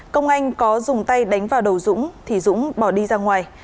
công anh có dùng tay đánh vào đầu dũng thì dũng bỏ đi ra ngoài